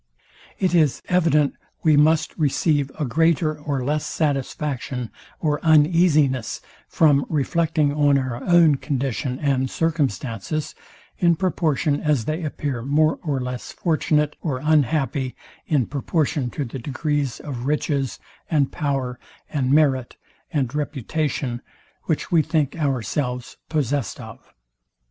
It is evident we must receive a greater or less satisfaction or uneasiness from reflecting on our own condition and circumstances, in proportion as they appear more or less fortunate or unhappy, in proportion to the degrees of riches, and power, and merit, and reputation, which we think ourselves possest of.